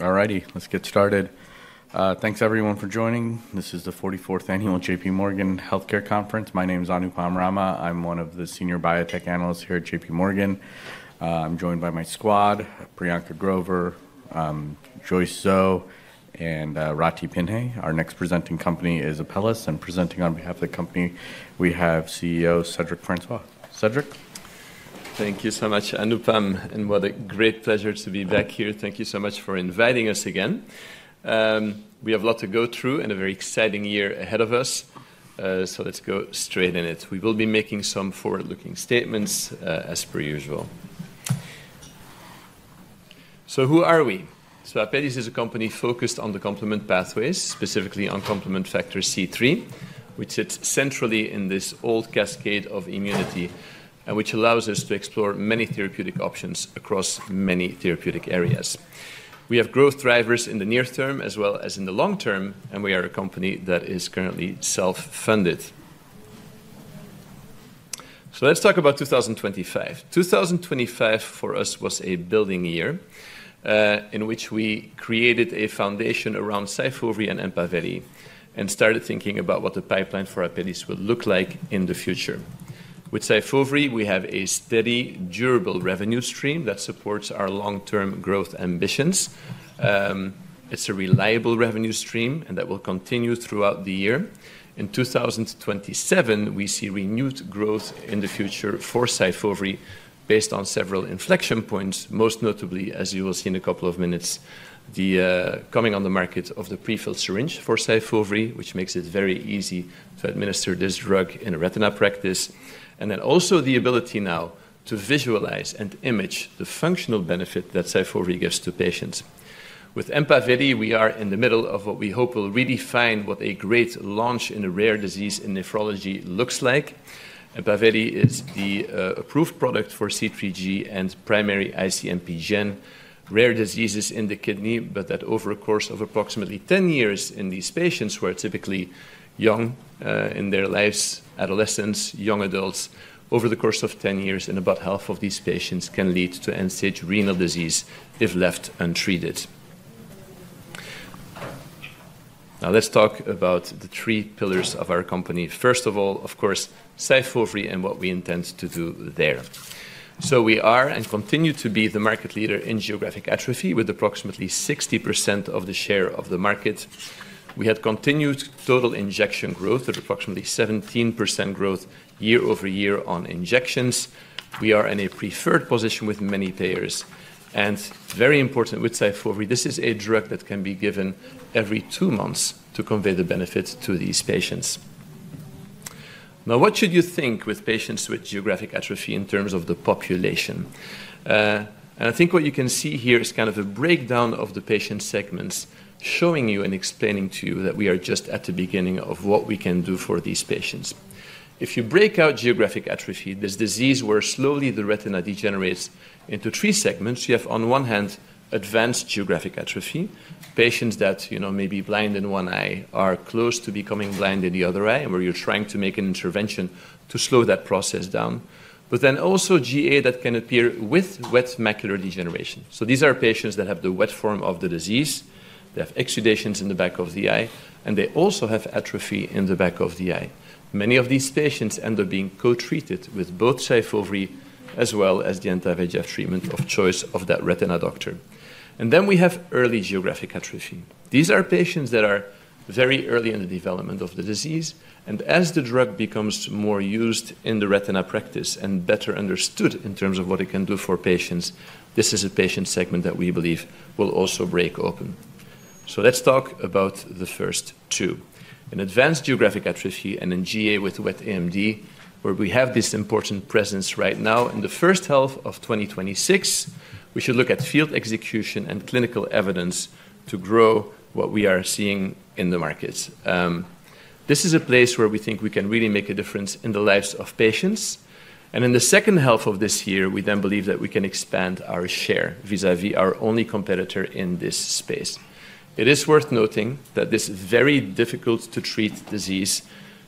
Alrighty, let's get started. Thanks, everyone, for joining. This is the 44th Annual JPMorgan Healthcare Conference. My name is Anupam Rama. I'm one of the senior biotech analysts here at JPMorgan. I'm joined by my squad: Priyanka Grover, Joyce Zhou, and Rathi Pinheiro. Our next presenting company is Apellis, and presenting on behalf of the company, we have CEO Cedric Francois. Cedric? Thank you so much, Anupam, and what a great pleasure to be back here. Thank you so much for inviting us again. We have a lot to go through and a very exciting year ahead of us, so let's go straight in it. We will be making some forward-looking statements as per usual. So who are we? So Apellis is a company focused on the complement pathways, specifically on complement factor C3, which sits centrally in this complement cascade of immunity and which allows us to explore many therapeutic options across many therapeutic areas. We have growth drivers in the near term as well as in the long term, and we are a company that is currently self-funded. So let's talk about 2025. 2025, for us, was a building year in which we created a foundation around Syfovre and Empaveli and started thinking about what the pipeline for Apellis would look like in the future. With Syfovre, we have a steady, durable revenue stream that supports our long-term growth ambitions. It's a reliable revenue stream that will continue throughout the year. In 2027, we see renewed growth in the future for Syfovre based on several inflection points, most notably, as you will see in a couple of minutes, the coming on the market of the prefilled syringe for Syfovre, which makes it very easy to administer this drug in a retina practice, and then also the ability now to visualize and image the functional benefit that Syfovre gives to patients. With Empaveli, we are in the middle of what we hope will redefine what a great launch in a rare disease in nephrology looks like. Empaveli is the approved product for C3G and primary IC-MPGN. Rare diseases in the kidney, but that over a course of approximately 10 years in these patients, who are typically young in their lives, adolescents, young adults, over the course of 10 years, in about half of these patients, can lead to end-stage renal disease if left untreated. Now, let's talk about the three pillars of our company. First of all, of course, Syfovre and what we intend to do there. So we are and continue to be the market leader in geographic atrophy with approximately 60% of the share of the market. We had continued total injection growth at approximately 17% growth year over year on injections. We are in a preferred position with many payers. And very important with Syfovre, this is a drug that can be given every two months to convey the benefit to these patients. Now, what should you think with patients with geographic atrophy in terms of the population? And I think what you can see here is kind of a breakdown of the patient segments, showing you and explaining to you that we are just at the beginning of what we can do for these patients. If you break out geographic atrophy, this disease where slowly the retina degenerates into three segments, you have, on one hand, advanced geographic atrophy, patients that may be blind in one eye, are close to becoming blind in the other eye, where you're trying to make an intervention to slow that process down, but then also GA that can appear with wet macular degeneration. So these are patients that have the wet form of the disease. They have exudations in the back of the eye, and they also have atrophy in the back of the eye. Many of these patients end up being co-treated with both Syfovre as well as the anti-VEGF treatment of choice of that retina doctor. And then we have early geographic atrophy. These are patients that are very early in the development of the disease. And as the drug becomes more used in the retina practice and better understood in terms of what it can do for patients, this is a patient segment that we believe will also break open. So let's talk about the first two. In advanced geographic atrophy and in GA with wet AMD, where we have this important presence right now, in the first half of 2026, we should look at field execution and clinical evidence to grow what we are seeing in the markets. This is a place where we think we can really make a difference in the lives of patients. And in the second half of this year, we then believe that we can expand our share vis-à-vis our only competitor in this space. It is worth noting that this very difficult-to-treat disease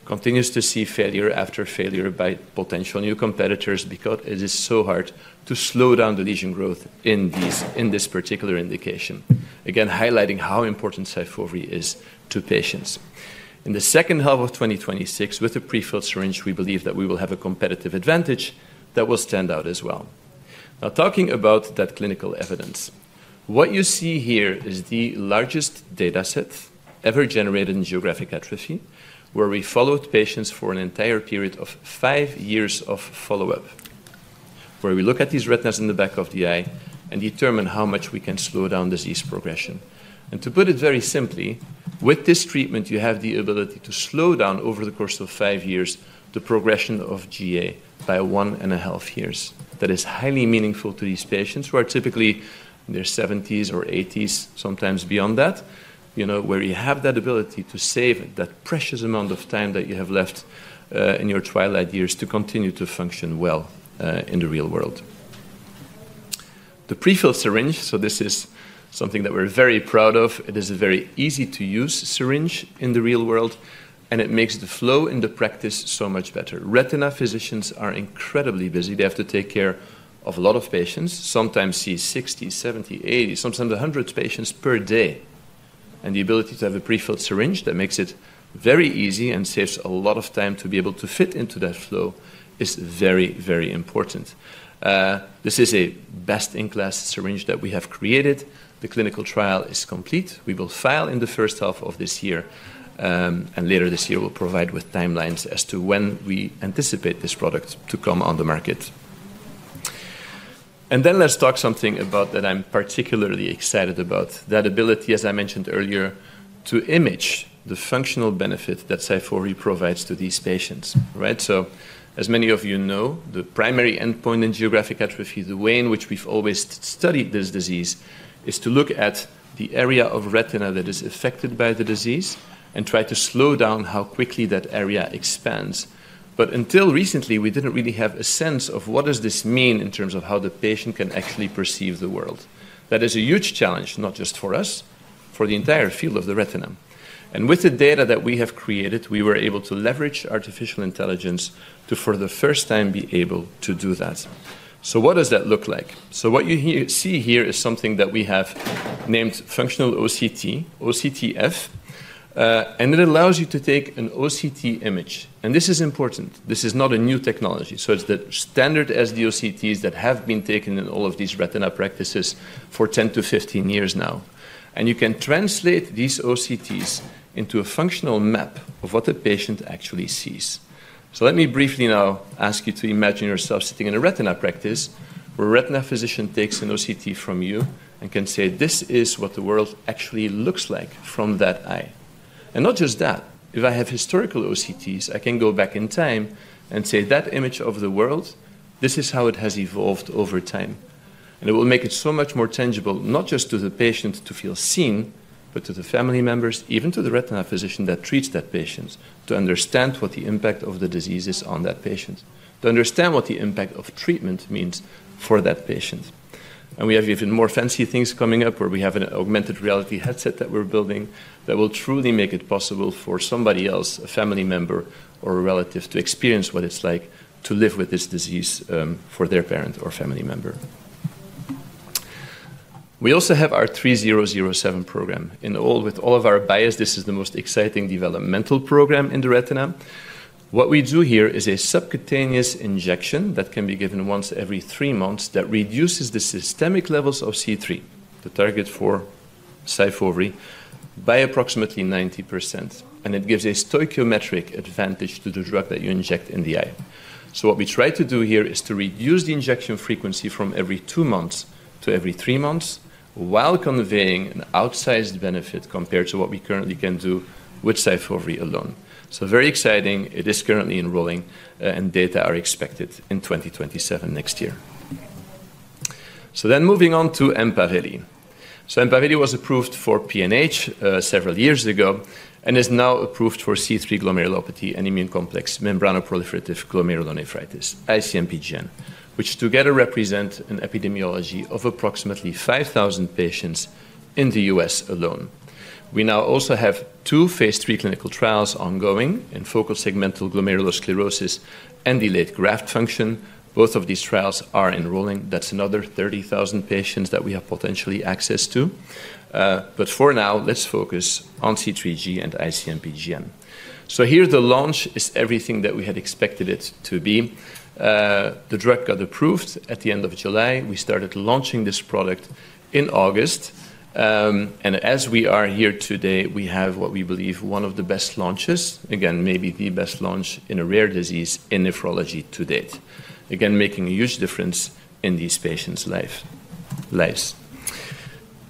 continues to see failure after failure by potential new competitors because it is so hard to slow down the lesion growth in this particular indication, again, highlighting how important Syfovre is to patients. In the second half of 2026, with the prefilled syringe, we believe that we will have a competitive advantage that will stand out as well. Now, talking about that clinical evidence, what you see here is the largest data set ever generated in geographic atrophy, where we followed patients for an entire period of five years of follow-up, where we look at these retinas in the back of the eye and determine how much we can slow down disease progression, and to put it very simply, with this treatment, you have the ability to slow down, over the course of five years, the progression of GA by one and a half years. That is highly meaningful to these patients who are typically in their 70s or 80s, sometimes beyond that, where you have that ability to save that precious amount of time that you have left in your twilight years to continue to function well in the real world. The prefilled syringe, so this is something that we're very proud of. It is a very easy-to-use syringe in the real world, and it makes the flow in the practice so much better. Retina physicians are incredibly busy. They have to take care of a lot of patients, sometimes see 60, 70, 80, sometimes 100 patients per day. And the ability to have a prefilled syringe that makes it very easy and saves a lot of time to be able to fit into that flow is very, very important. This is a best-in-class syringe that we have created. The clinical trial is complete. We will file in the first half of this year, and later this year, we'll provide with timelines as to when we anticipate this product to come on the market, and then let's talk something about that I'm particularly excited about, that ability, as I mentioned earlier, to image the functional benefit that Syfovre provides to these patients, so as many of you know, the primary endpoint in geographic atrophy, the way in which we've always studied this disease, is to look at the area of retina that is affected by the disease and try to slow down how quickly that area expands, but until recently, we didn't really have a sense of what does this mean in terms of how the patient can actually perceive the world. That is a huge challenge, not just for us, for the entire field of the retina. With the data that we have created, we were able to leverage artificial intelligence to, for the first time, be able to do that. So what does that look like? So what you see here is something that we have named functional OCT, OCTF, and it allows you to take an OCT image. And this is important. This is not a new technology. So it's the standard SD-OCTs that have been taken in all of these retina practices for 10-15 years now. And you can translate these OCTs into a functional map of what the patient actually sees. So let me briefly now ask you to imagine yourself sitting in a retina practice where a retina physician takes an OCT from you and can say, "This is what the world actually looks like from that eye." And not just that. If I have historical OCTs, I can go back in time and say, "That image of the world, this is how it has evolved over time." And it will make it so much more tangible, not just to the patient to feel seen, but to the family members, even to the retina physician that treats that patient, to understand what the impact of the disease is on that patient, to understand what the impact of treatment means for that patient. And we have even more fancy things coming up where we have an augmented reality headset that we're building that will truly make it possible for somebody else, a family member or a relative, to experience what it's like to live with this disease for their parent or family member. We also have our 3007 program. With all of our bias, this is the most exciting developmental program in the retina. What we do here is a subcutaneous injection that can be given once every three months that reduces the systemic levels of C3, the target for Syfovre, by approximately 90%, and it gives a stoichiometric advantage to the drug that you inject in the eye, so what we try to do here is to reduce the injection frequency from every two months to every three months while conveying an outsized benefit compared to what we currently can do with Syfovre alone, so very exciting. It is currently enrolling, and data are expected in 2027, next year, so then moving on to Empaveli. Empaveli was approved for PNH several years ago and is now approved for C3 glomerulopathy and immune complex membranoproliferative glomerulonephritis, IC-MPGN, which together represent an epidemiology of approximately 5,000 patients in the U.S. alone. We now also have two phase III clinical trials ongoing in focal segmental glomerulosclerosis and delayed graft function. Both of these trials are enrolling. That's another 30,000 patients that we have potentially access to. But for now, let's focus on C3G and IC-MPGN. So here, the launch is everything that we had expected it to be. The drug got approved at the end of July. We started launching this product in August. And as we are here today, we have what we believe one of the best launches, again, maybe the best launch in a rare disease in nephrology to date, again, making a huge difference in these patients' lives.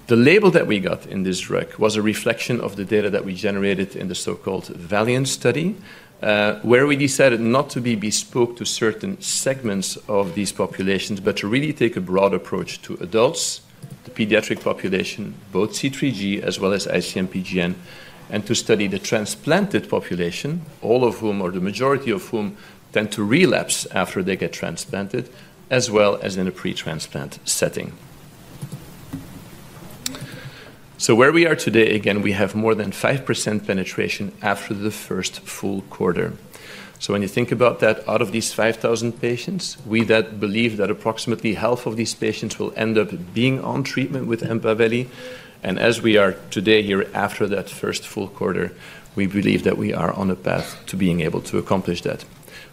The label that we got in this drug was a reflection of the data that we generated in the so-called Valiant study, where we decided not to be bespoke to certain segments of these populations, but to really take a broad approach to adults, the pediatric population, both C3G as well as IC-MPGN, and to study the transplanted population, all of whom, or the majority of whom, tend to relapse after they get transplanted, as well as in a pretransplant setting. So where we are today, again, we have more than 5% penetration after the first full quarter. So when you think about that, out of these 5,000 patients, we believe that approximately half of these patients will end up being on treatment with Empaveli. As we are today here, after that first full quarter, we believe that we are on a path to being able to accomplish that.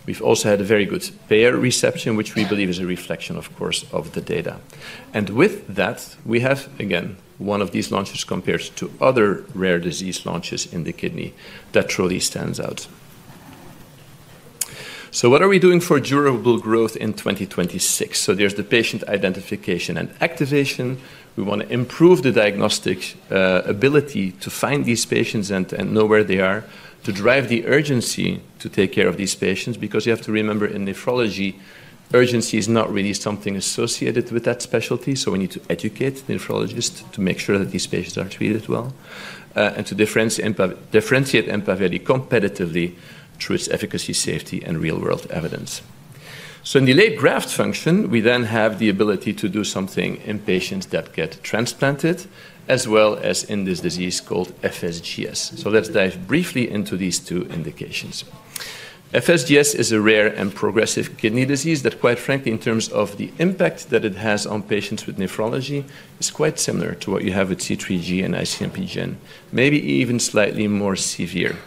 We've also had a very good payer reception, which we believe is a reflection, of course, of the data. And with that, we have, again, one of these launches compared to other rare disease launches in the kidney that truly stands out. What are we doing for durable growth in 2026? There's the patient identification and activation. We want to improve the diagnostic ability to find these patients and know where they are, to drive the urgency to take care of these patients. Because you have to remember, in nephrology, urgency is not really something associated with that specialty. We need to educate the nephrologist to make sure that these patients are treated well and to differentiate Empaveli competitively through its efficacy, safety, and real-world evidence. In delayed graft function, we then have the ability to do something in patients that get transplanted, as well as in this disease called FSGS. Let's dive briefly into these two indications. FSGS is a rare and progressive kidney disease that, quite frankly, in terms of the impact that it has on patients with nephrology, is quite similar to what you have with C3G and IC-MPGN, maybe even slightly more severe.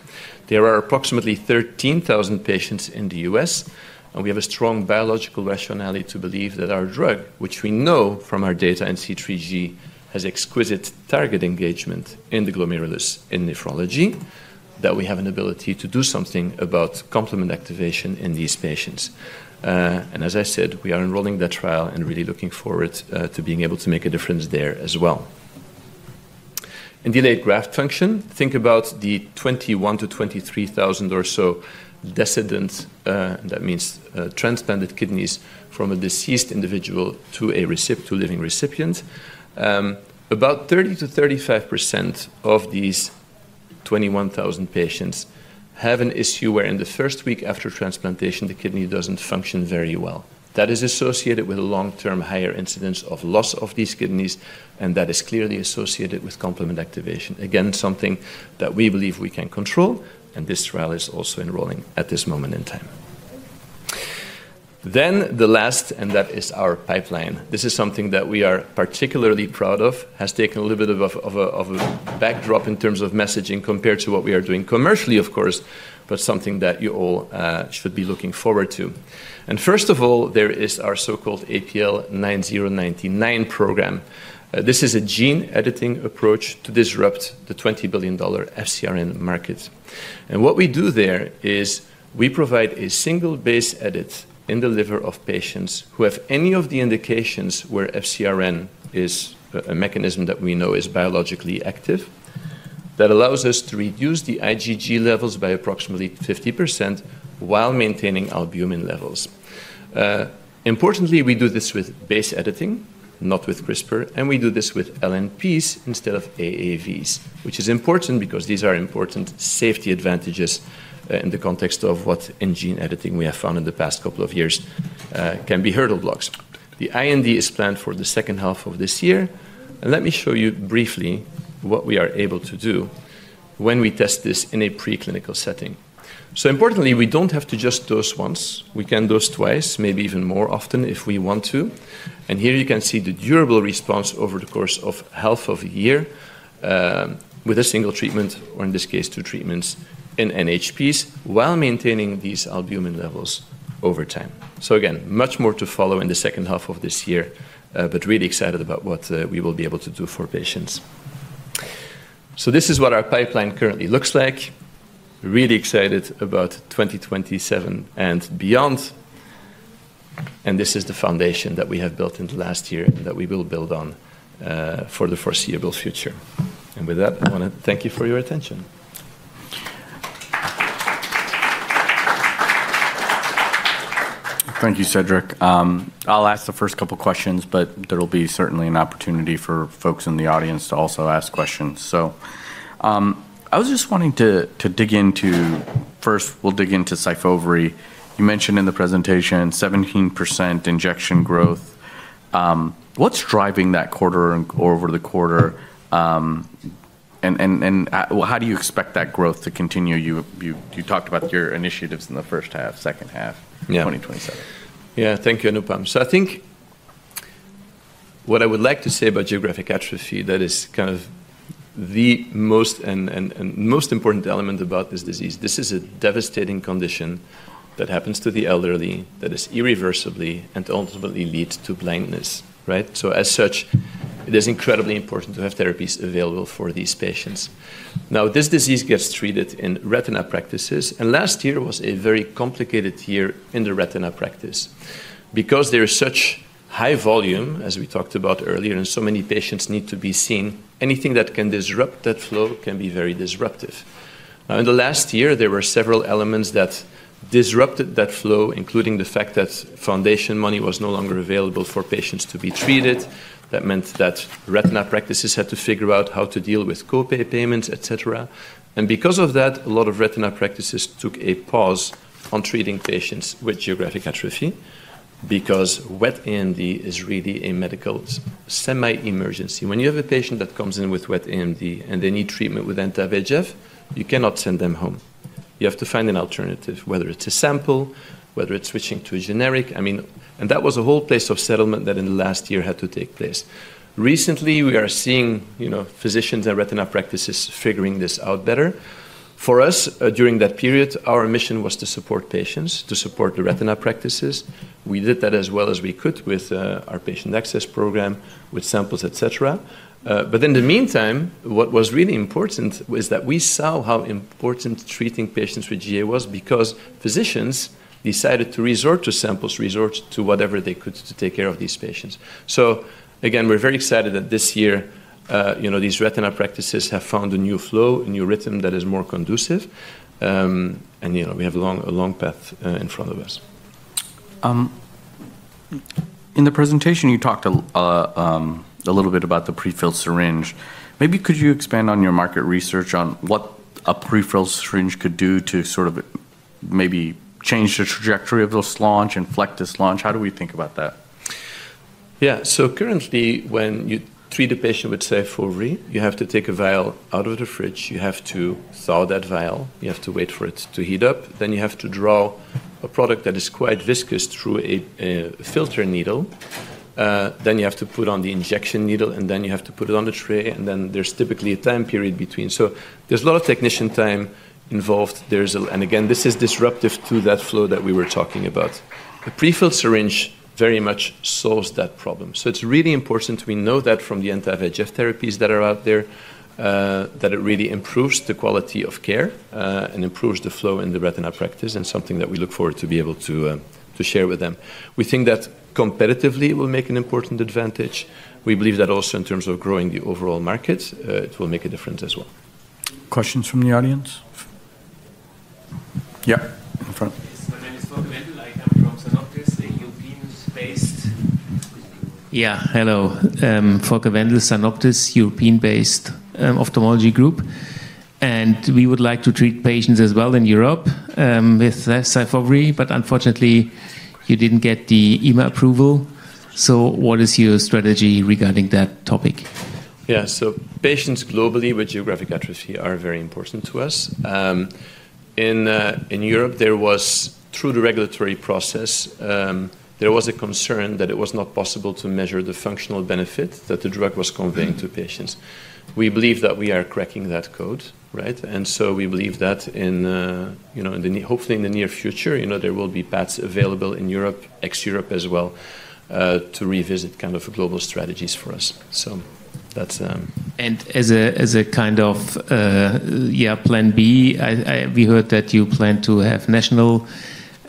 There are approximately 13,000 patients in the U.S., and we have a strong biological rationale to believe that our drug, which we know from our data in C3G, has exquisite target engagement in the glomerulus in nephrology, that we have an ability to do something about complement activation in these patients. As I said, we are enrolling that trial and really looking forward to being able to make a difference there as well. In delayed graft function, think about the 21,000-23,000 or so decedents, and that means transplanted kidneys from a deceased individual to a living recipient. About 30%-35% of these 21,000 patients have an issue where in the first week after transplantation, the kidney doesn't function very well. That is associated with a long-term higher incidence of loss of these kidneys, and that is clearly associated with complement activation, again, something that we believe we can control, and this trial is also enrolling at this moment in time, then the last, and that is our pipeline. This is something that we are particularly proud of, has taken a little bit of a backdrop in terms of messaging compared to what we are doing commercially, of course, but something that you all should be looking forward to, and first of all, there is our so-called APL-9099 program. This is a gene-editing approach to disrupt the $20 billion FCRN market. What we do there is we provide a single base edit in the liver of patients who have any of the indications where FCRN is a mechanism that we know is biologically active that allows us to reduce the IgG levels by approximately 50% while maintaining albumin levels. Importantly, we do this with base editing, not with CRISPR, and we do this with LNPs instead of AAVs, which is important because these are important safety advantages in the context of what in gene editing we have found in the past couple of years can be hurdle blocks. The IND is planned for the second half of this year. Let me show you briefly what we are able to do when we test this in a preclinical setting. Importantly, we don't have to just dose once. We can dose twice, maybe even more often if we want to. And here you can see the durable response over the course of half of a year with a single treatment, or in this case, two treatments in NHPs while maintaining these albumin levels over time. So again, much more to follow in the second half of this year, but really excited about what we will be able to do for patients. So this is what our pipeline currently looks like. Really excited about 2027 and beyond. And this is the foundation that we have built in the last year and that we will build on for the foreseeable future. And with that, I want to thank you for your attention. Thank you, Cedric. I'll ask the first couple of questions, but there will be certainly an opportunity for folks in the audience to also ask questions. So I was just wanting to dig into first, we'll dig into Syfovre. You mentioned in the presentation 17% injection growth. What's driving that quarter or over the quarter? And how do you expect that growth to continue? You talked about your initiatives in the first half, second half, 2027. Yeah, thank you, Anupam. So I think what I would like to say about geographic atrophy, that is kind of the most important element about this disease. This is a devastating condition that happens to the elderly that is irreversibly and ultimately leads to blindness. So as such, it is incredibly important to have therapies available for these patients. Now, this disease gets treated in retina practices. And last year was a very complicated year in the retina practice because there is such high volume, as we talked about earlier, and so many patients need to be seen. Anything that can disrupt that flow can be very disruptive. Now, in the last year, there were several elements that disrupted that flow, including the fact that foundation money was no longer available for patients to be treated. That meant that retina practices had to figure out how to deal with copay payments, etc., and because of that, a lot of retina practices took a pause on treating patients with geographic atrophy because wet AMD is really a medical semi-emergency. When you have a patient that comes in with wet AMD and they need treatment with Anti-VEGF, you cannot send them home. You have to find an alternative, whether it's a sample, whether it's switching to a generic. I mean, and that was a whole phase of settlement that in the last year had to take place. Recently, we are seeing physicians and retina practices figuring this out better. For us, during that period, our mission was to support patients, to support the retina practices. We did that as well as we could with our patient access program, with samples, etc. But in the meantime, what was really important was that we saw how important treating patients with GA was because physicians decided to resort to samples, resort to whatever they could to take care of these patients. So again, we're very excited that this year these retina practices have found a new flow, a new rhythm that is more conducive. And we have a long path in front of us. In the presentation, you talked a little bit about the prefilled syringe. Maybe could you expand on your market research on what a prefilled syringe could do to sort of maybe change the trajectory of this launch and flex this launch? How do we think about that? Yeah. So currently, when you treat a patient with Syfovre, you have to take a vial out of the fridge. You have to thaw that vial. You have to wait for it to heat up. Then you have to draw a product that is quite viscous through a filter needle. Then you have to put on the injection needle, and then you have to put it on the tray. And then there's typically a time period between. So there's a lot of technician time involved. And again, this is disruptive to that flow that we were talking about. The prefilled syringe very much solves that problem. So it's really important to know that from the anti-VEGF therapies that are out there, that it really improves the quality of care and improves the flow in the retina practice and something that we look forward to be able to share with them. We think that competitively will make an important advantage. We believe that also in terms of growing the overall market, it will make a difference as well. Questions from the audience? Yeah, in front. My name is Volker Wendel. I come from Sanoptis, a European-based... Yeah, hello. Volker Wendel, Sanoptis, European-based ophthalmology group. And we would like to treat patients as well in Europe with Syfovre, but unfortunately, you didn't get the EMA approval. So what is your strategy regarding that topic? Yeah, so patients globally with geographic atrophy are very important to us. In Europe, through the regulatory process, there was a concern that it was not possible to measure the functional benefit that the drug was conveying to patients. We believe that we are cracking that code. And so we believe that hopefully in the near future, there will be paths available in Europe, ex-Europe as well, to revisit kind of global strategies for us. So that's... As a kind of, yeah, plan B, we heard that you plan to have national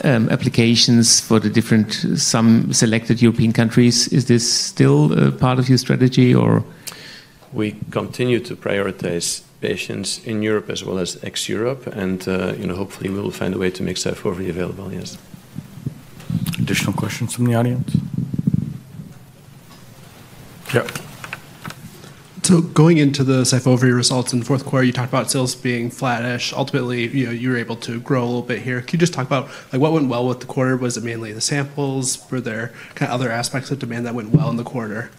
applications for some selected European countries. Is this still part of your strategy, or? We continue to prioritize patients in Europe as well as ex-Europe. And hopefully, we will find a way to make Syfovre available, yes. Additional questions from the audience? Yeah. So going into the Syfovre results in the fourth quarter, you talked about sales being flat-ish. Ultimately, you were able to grow a little bit here. Can you just talk about what went well with the quarter? Was it mainly the samples? Were there kind of other aspects of demand that went well in the quarter?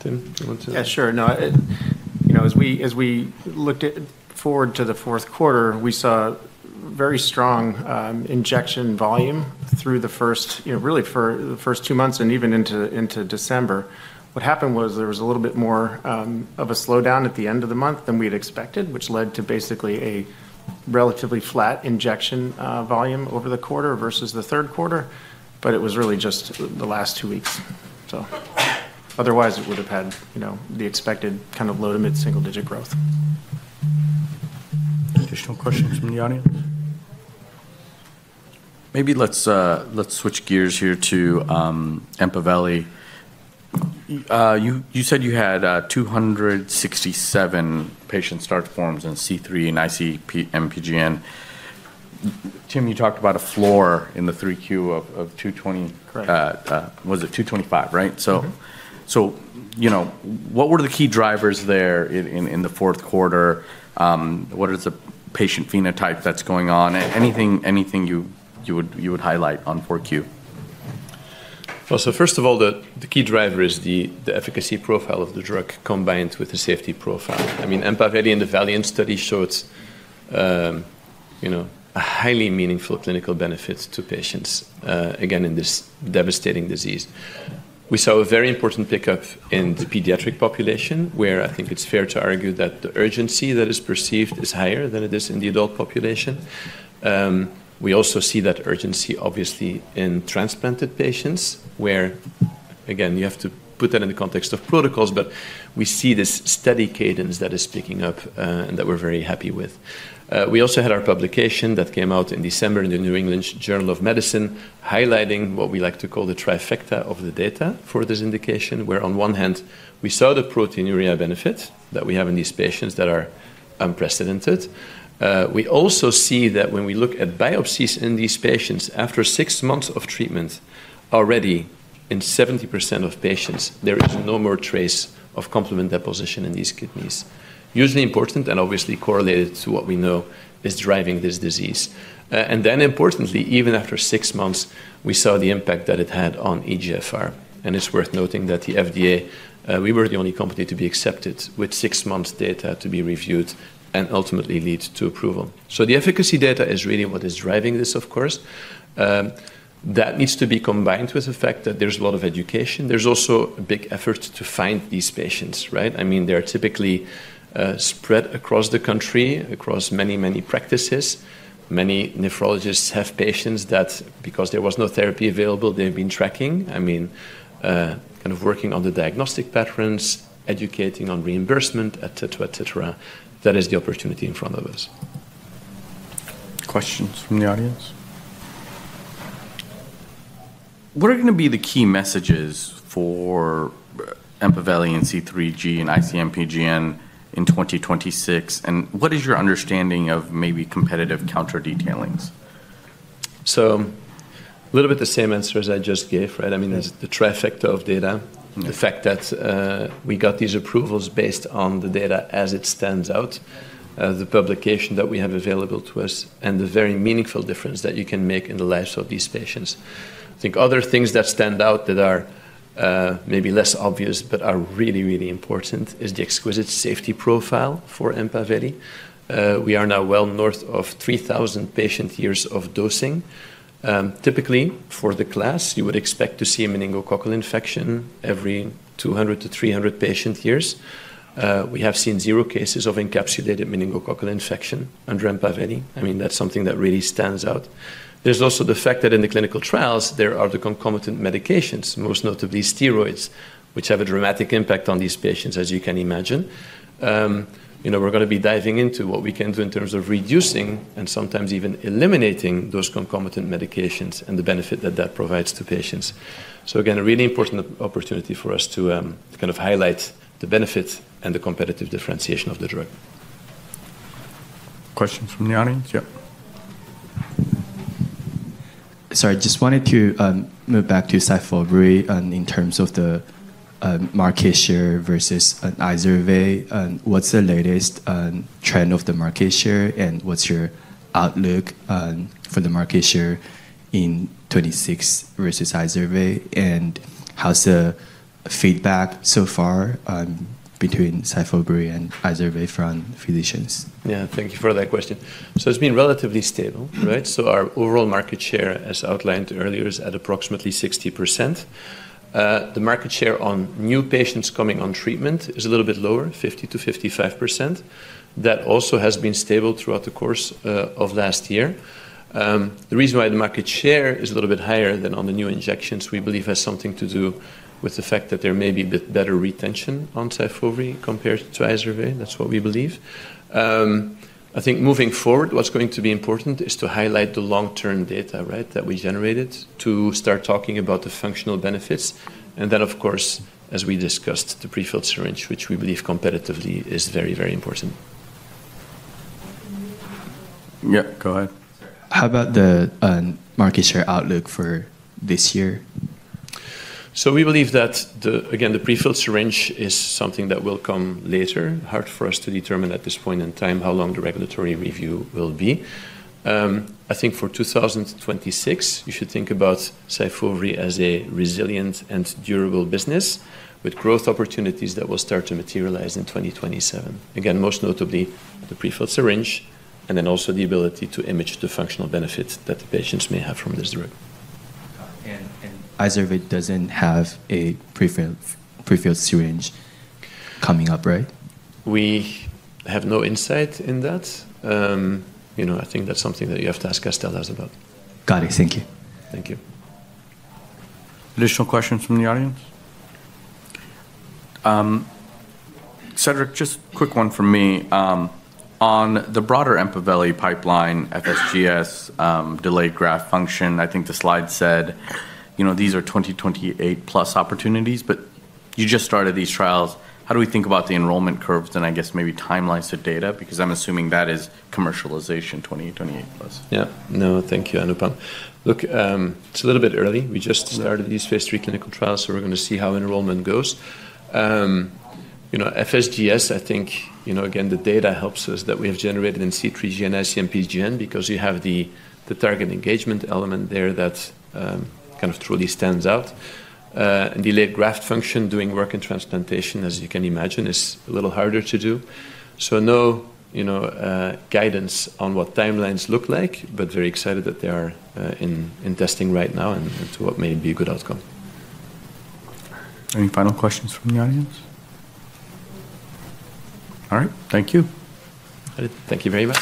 Tim, do you want to? Yeah, sure. No, as we looked forward to the fourth quarter, we saw very strong injection volume through the first, really for the first two months and even into December. What happened was there was a little bit more of a slowdown at the end of the month than we had expected, which led to basically a relatively flat injection volume over the quarter versus the third quarter. But it was really just the last two weeks. So otherwise, it would have had the expected kind of low to mid-single-digit growth. Additional questions from the audience? Maybe let's switch gears here to Empaveli. You said you had 267 patient start forms in C3G and IC-MPGN. Tim, you talked about a floor in the 3Q of 220. Was it 225, right? So what were the key drivers there in the fourth quarter? What is the patient phenotype that's going on? Anything you would highlight on 4Q? So first of all, the key driver is the efficacy profile of the drug combined with the safety profile. I mean, Empaveli and the Valiant study showed a highly meaningful clinical benefit to patients, again, in this devastating disease. We saw a very important pickup in the pediatric population, where I think it's fair to argue that the urgency that is perceived is higher than it is in the adult population. We also see that urgency, obviously, in transplanted patients, where, again, you have to put that in the context of protocols, but we see this steady cadence that is picking up and that we're very happy with. We also had our publication that came out in December in the New England Journal of Medicine, highlighting what we like to call the trifecta of the data for this indication, where on one hand, we saw the proteinuria benefit that we have in these patients that are unprecedented. We also see that when we look at biopsies in these patients, after six months of treatment, already in 70% of patients, there is no more trace of complement deposition in these kidneys. Hugely important and obviously correlated to what we know is driving this disease. And then importantly, even after six months, we saw the impact that it had on eGFR. And it's worth noting that the FDA, we were the only company to be accepted with six months' data to be reviewed and ultimately lead to approval. So the efficacy data is really what is driving this, of course. That needs to be combined with the fact that there's a lot of education. There's also a big effort to find these patients. I mean, they're typically spread across the country, across many, many practices. Many nephrologists have patients that, because there was no therapy available, they've been tracking. I mean, kind of working on the diagnostic patterns, educating on reimbursement, etc., etc. That is the opportunity in front of us. Questions from the audience? What are going to be the key messages for Empaveli and C3G and IC-MPGN in 2026? And what is your understanding of maybe competitive counter-detailings? So a little bit the same answer as I just gave, right? I mean, the trifecta of data, the fact that we got these approvals based on the data as it stands out, the publication that we have available to us, and the very meaningful difference that you can make in the lives of these patients. I think other things that stand out that are maybe less obvious but are really, really important is the exquisite safety profile for Empaveli. We are now well north of 3,000 patient years of dosing. Typically, for the class, you would expect to see a meningococcal infection every 200 to 300 patient years. We have seen zero cases of encapsulated meningococcal infection under Empaveli. I mean, that's something that really stands out. There's also the fact that in the clinical trials, there are the concomitant medications, most notably steroids, which have a dramatic impact on these patients, as you can imagine. We're going to be diving into what we can do in terms of reducing and sometimes even eliminating those concomitant medications and the benefit that that provides to patients. So again, a really important opportunity for us to kind of highlight the benefit and the competitive differentiation of the drug. Questions from the audience? Yeah. Sorry, just wanted to move back to Syfovre in terms of the market share versus Izervae. What's the latest trend of the market share and what's your outlook for the market share in 2026 versus Izervae? And how's the feedback so far between Syfovre and Izervae from physicians? Yeah, thank you for that question. So it's been relatively stable, right? So our overall market share, as outlined earlier, is at approximately 60%. The market share on new patients coming on treatment is a little bit lower, 50%-55%. That also has been stable throughout the course of last year. The reason why the market share is a little bit higher than on the new injections, we believe, has something to do with the fact that there may be a bit better retention on Syfovre compared to Izervae. That's what we believe. I think moving forward, what's going to be important is to highlight the long-term data that we generated to start talking about the functional benefits. And then, of course, as we discussed, the prefilled syringe, which we believe competitively is very, very important. Yeah, go ahead. How about the market share outlook for this year? So we believe that, again, the prefilled syringe is something that will come later. Hard for us to determine at this point in time how long the regulatory review will be. I think for 2026, you should think about Syfovre as a resilient and durable business with growth opportunities that will start to materialize in 2027. Again, most notably, the prefilled syringe and then also the ability to image the functional benefit that the patients may have from this drug. Izervae doesn't have a prefilled syringe coming up, right? We have no insight into that. I think that's something that you have to ask us, tell us about. Got it. Thank you. Thank you. Additional questions from the audience? Cedric, just a quick one from me. On the broader Empaveli pipeline, FSGS, Delayed Graft Function, I think the slide said these are 2028-plus opportunities, but you just started these trials. How do we think about the enrollment curves and I guess maybe timelines of data? Because I'm assuming that is commercialization 2028-plus. Yeah. No, thank you, Anupam. Look, it's a little bit early. We just started these phase three clinical trials, so we're going to see how enrollment goes. FSGS, I think, again, the data helps us that we have generated in C3G and IC-MPGN because you have the target engagement element there that kind of truly stands out. And delayed graft function doing work in transplantation, as you can imagine, is a little harder to do. So no guidance on what timelines look like, but very excited that they are in testing right now and to what may be a good outcome. Any final questions from the audience? All right. Thank you. Thank you very much.